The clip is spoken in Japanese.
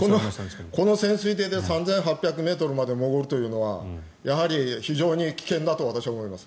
この潜水艇で３８００ｍまで潜るというのはやはり非常に危険だと私は思います。